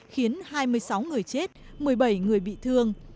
khiến hai mươi sáu người chết một mươi bảy người bị thương